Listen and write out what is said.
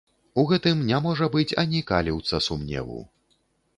У гэтым не можа быць ані каліўца сумневу.